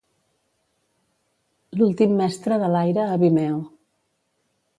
L'últim mestre de l'aire a Vimeo.